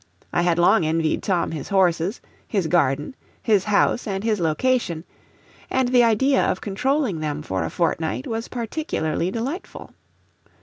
I had long envied Tom his horses, his garden, his house and his location, and the idea of controlling them for a fortnight was particularly delightful.